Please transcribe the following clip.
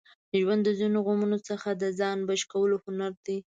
ژوند د غمونو څخه د ځان بچ کولو هنر دی.